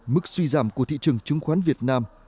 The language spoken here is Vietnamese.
mức suy giảm của thị trường chứng khoán việt nam